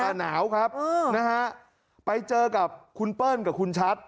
แต่หนาวครับนะฮะไปเจอกับคุณเปิ้ลกับคุณชัด